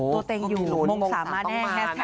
โอ้โฮตัวเต้งอยู่มงสามมาแน่มงสามต้องมานะคะ